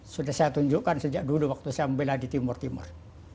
sudah saya tunjukkan sejak dulu waktu saya membela di timur timur